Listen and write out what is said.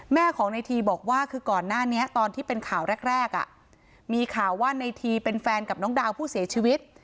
แม่ของในทีบอกว่าคือก่อนหน้านี้ตอนที่เป็นข่าวแรกมีข่าวว่าในทีเป็นแฟนกับน้องดาวผู้เสียชีวิต